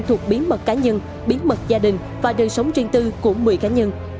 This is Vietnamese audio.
thuộc bí mật cá nhân bí mật gia đình và đời sống riêng tư của một mươi cá nhân